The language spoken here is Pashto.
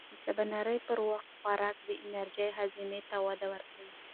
د سباناري پر وخت خوراک د انرژۍ هضم ته وده ورکوي.